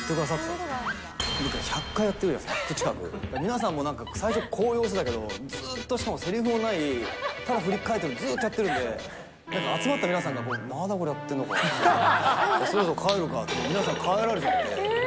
でも１００回やってるじゃないですか、近く、皆さんもなんか、最初は高揚してたけど、ずっとせりふのない、ただ振り返ってる、ずっとやってるんで、なんか集まった皆さんが、まだこれやってるのか、そろそろ帰るかって、皆さん、帰られちゃって。